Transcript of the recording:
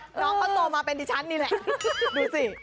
น้องเขาโตมาเป็นดิฉันนี่แหละดูสิ